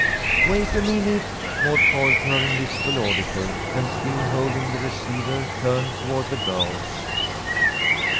"Wait a minute," Maud called to her invisible auditor, and, still holding the receiver, turned toward the girls.